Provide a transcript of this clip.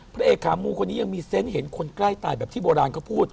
พระเอกขามูคนนี้ยังมีเซนต์เห็นคนใกล้ตายแบบที่โบราณเขาพูด